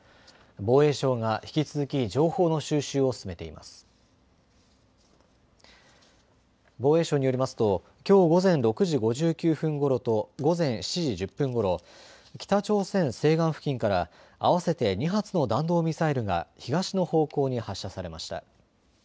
防衛省によりますときょう午前６時５９分ごろと午前７時１０分ごろ、北朝鮮西岸付近から合わせて２発の弾道ミサイルが東の方向に発射されました。